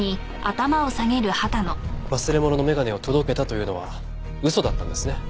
忘れ物の眼鏡を届けたというのは嘘だったんですね。